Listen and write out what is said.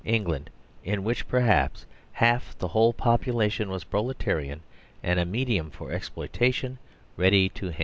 England in which perhaps half of the whole population was proletarian, and a medium for exploit ation ready to hand.